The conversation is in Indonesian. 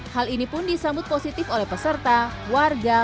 hal ini pun disambut positif oleh peserta warga